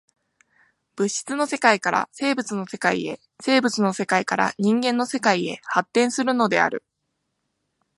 物質の世界から生物の世界へ、生物の世界から人間の世界へ発展するのである。